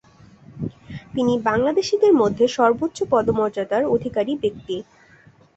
তিনি বাংলাদেশীদের মধ্যে সর্বোচ্চ পদমর্যাদার অধিকারী ব্যক্তি।